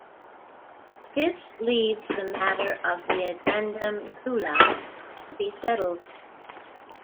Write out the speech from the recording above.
This leaves the matter of the addendum "dula" to be settled.